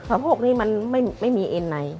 สะโพกนี่มันไม่มีเอ็นใน